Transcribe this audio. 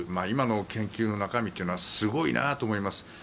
今の研究の中身はすごいなと思います。